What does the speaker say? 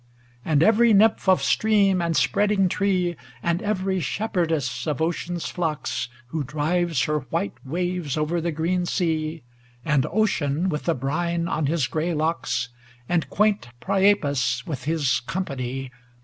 And every nymph of stream and spreading tree. And every shepherdess of Ocean's flocks, , Who drives her white waves over the green sea. And Ocean, with the brine on his gray locks. And quaint Priapus with his company.